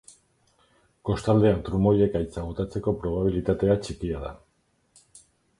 Kostaldean trumoi-ekaitza botatzeko probabilitatea txikia da.